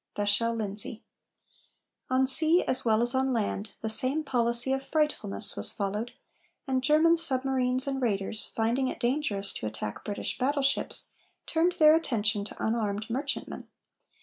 VACHEL LINDSAY. On sea, as well as on land, the same policy of "frightfulness" was followed, and German submarines and raiders, finding it dangerous to attack British battleships, turned their attention to unarmed merchantmen.